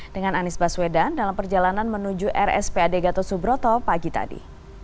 dengan anies baswedan dalam perjalanan menuju rspad gatot subroto pagi tadi